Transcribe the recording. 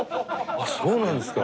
あっそうなんですか？